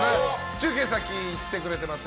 中継先、行ってくれてます